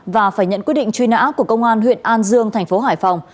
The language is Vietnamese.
và phải nhận quyết định truy nã của công an huyện an dương thành phố hải phòng